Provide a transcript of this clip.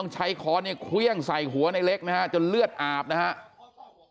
ค้อนเนี่ยเครื่องใส่หัวในเล็กนะฮะจนเลือดอาบนะครับ